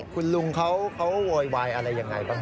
คุณลุงเขาโวยวายอะไรยังไงบ้าง